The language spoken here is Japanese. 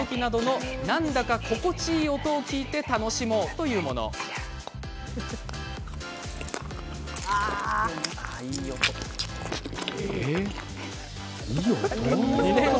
なんだか心地いい音などを聴いて楽しもうというものなんです。